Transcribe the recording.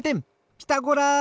ピタゴラ！